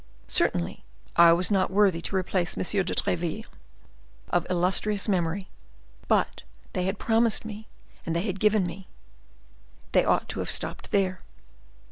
Certainly I was not worthy to replace M. de Treville, of illustrious memory; but they had promised me, and they had given me; they ought to have stopped there."